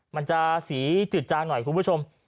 มันจะสีจืดจางหน่อยคุณผู้ชม